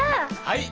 はい。